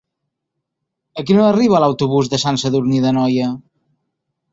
A quina hora arriba l'autobús de Sant Sadurní d'Anoia?